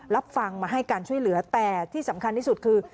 รับฟังมาให้การช่วยเหลือแต่ที่สำคัญที่สุดคือ